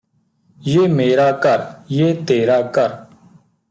ਯੇ ਮੇਰਾ ਘਰ ਯੇ ਤੇਰਾ ਘਰ